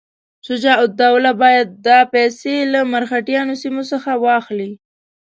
شجاع الدوله باید دا پیسې له مرهټیانو سیمو څخه واخلي.